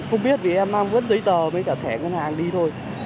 không biết vì em mang vớt giấy tờ với cả thẻ ngân hàng đi thôi